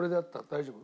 大丈夫？